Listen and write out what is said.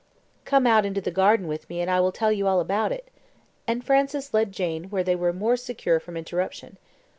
"Come out into the garden with me, and I will tell you all about it;" and Francis led Jane where they were more secure from interruption.